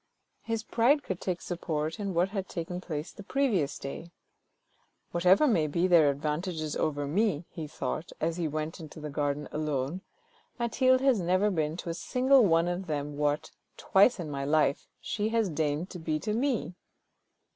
His pride could take support in what had taken place the previous day. " Whatever may be their advantages over me," he thought, as he went into the garden alone, " Mathilde has never been to a single one of them what, twice in my life, she has deigned to be to me